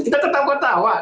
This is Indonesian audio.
kita tetap ketawa